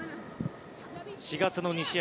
４月の２試合